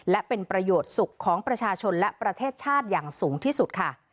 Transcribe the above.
และเป็นประโยชน์สุขของประชาชนและประเทศชาติอย่างสูงที่สุดค่ะ